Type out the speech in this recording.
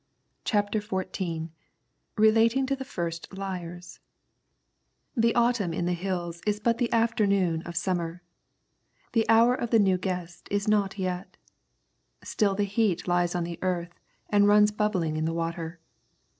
CHAPTER XIV RELATING TO THE FIRST LIARS The autumn in the Hills is but the afternoon of summer. The hour of the new guest is not yet. Still the heat lies on the earth and runs bubbling in the water.